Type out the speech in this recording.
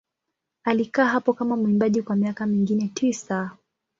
Alikaa hapo kama mwimbaji kwa miaka mingine tisa.